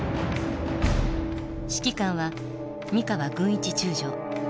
指揮官は三川軍一中将。